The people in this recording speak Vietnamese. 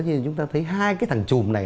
nhưng chúng ta thấy hai cái thằng chùm này